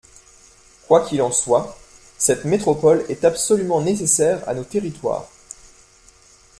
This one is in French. Quoi qu’il en soit, cette métropole est absolument nécessaire à nos territoires.